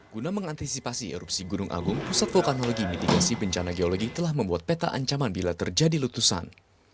guna mengantisipasi erupsi gunung agung pusat vulkanologi mitigasi bencana geologi telah membuat peta ancaman bila terjadi letusan